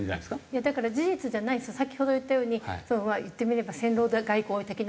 いやだから事実じゃないし先ほど言ったように言ってみれば戦狼外交的なね。